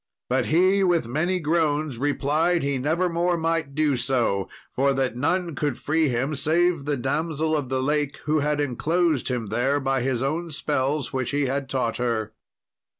But he, with many groans, replied he never more might do so, for that none could free him, save the damsel of the Lake, who had enclosed him there by his own spells which he had taught her.